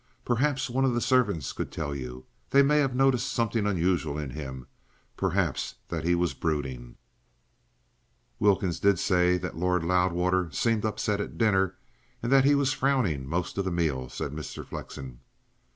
Perhaps one of the servants could tell you. They may have noticed something unusual in him perhaps that he was brooding." "Wilkins did say that Lord Loudwater seemed upset at dinner, and that he was frowning most of the meal," said Mr. Flexen.